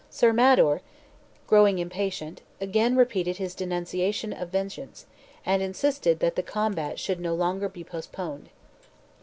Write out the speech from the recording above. Sir Mador, growing impatient, again repeated his denunciations of vengeance, and insisted that the combat should no longer be postponed.